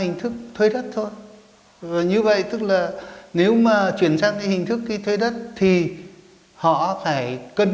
hình thức thuê đất thôi như vậy tức là nếu mà chuyển sang cái hình thức thuê đất thì họ phải cần